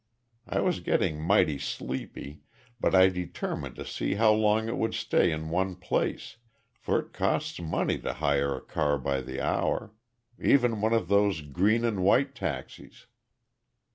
I was getting mighty sleepy, but I determined to see how long it would stay in one place, for it costs money to hire a car by the hour even one of those Green and White taxis."